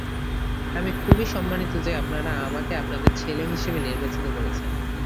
আমি খুবই সম্মানিত যে আপনারা আমাকে আপনাদের ছেলে হিসেবে নির্বাচিত করেছেন।